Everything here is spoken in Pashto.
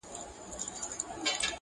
نشه لري مستي لري په عیبو کي یې نه یم,